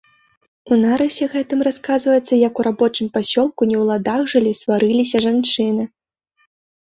У нарысе гэтым расказваецца, як у рабочым пасёлку не ў ладах жылі, сварыліся жанчыны.